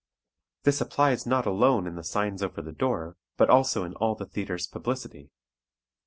This applies not alone in the signs over the door, but also in all the theatre's publicity.